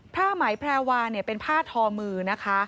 ผ้าไหมแพรวาเป็นผ้าทอมือนะคะ